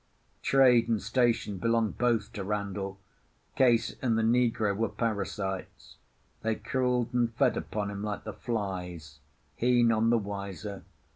Trade and station belonged both to Randall; Case and the negro were parasites; they crawled and fed upon him like the flies, he none the wiser.